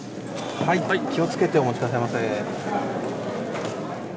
気をつけてお持ちくださいませ。